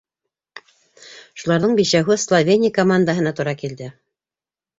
Шуларҙың бишәүһе Словения командаһына тура килде.